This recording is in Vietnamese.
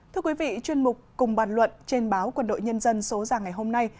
thưa quý vị chuyên mục cùng bàn luận trên báo quân đội nhân dân số ra ngày hôm nay